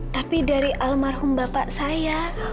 tapi dari almarhum bapak saya